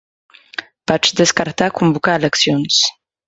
Vaig descartar convocar eleccions.